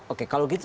oke kalau gitu